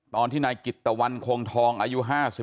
ตอนที่นายกิตตะวันคงทองอายุ๕๓